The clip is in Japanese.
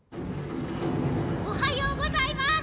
おはようございます！